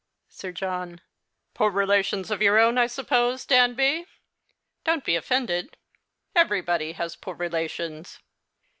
Sir John. Poor relations of your own, I suppose, Danby. Don't be offended. Everybody has poor relations.